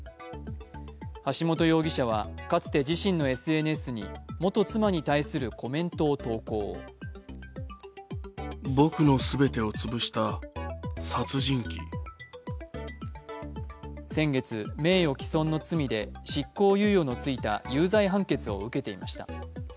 橋本容疑者はかつて自身のＳＮＳに元妻に対するコメントを投稿先月、名誉毀損の罪で執行猶予のついた有罪判決を受けていました。